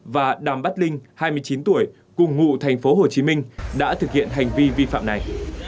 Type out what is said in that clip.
và đàm bát linh hai mươi chín tuổi cùng ngụ tp hcm đã thực hiện hành vi vi phạm này